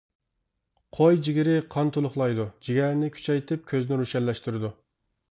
قوي جىگىرى قان تولۇقلايدۇ، جىگەرنى كۈچەيتىپ كۆزنى روشەنلەشتۈرىدۇ.